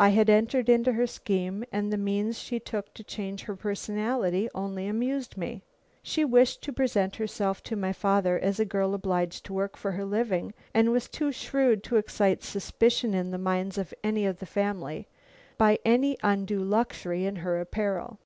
I had entered into her scheme, and the means she took to change her personality only amused me. She wished to present herself to my father as a girl obliged to work for her living, and was too shrewd to excite suspicion in the minds of any of the family by any undue luxury in her apparel.